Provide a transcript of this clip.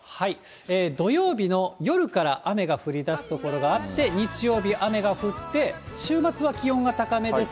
土曜日の夜から雨が降りだす所があって、日曜日雨が降って、週末は気温が高めです。